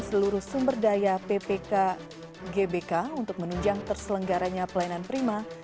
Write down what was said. seluruh sumber daya ppk gbk untuk menunjang terselenggaranya pelayanan prima